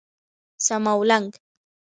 څماولنګ